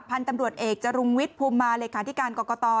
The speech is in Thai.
พันธุ์ตำรวจเอกจรุงวิทย์ภูมิมาเลขาธิการกรกต